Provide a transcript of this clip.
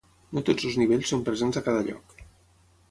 No tots els nivells són presents a cada lloc.